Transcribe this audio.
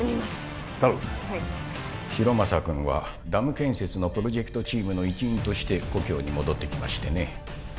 はい浩正くんはダム建設のプロジェクトチームの一員として故郷に戻ってきましてね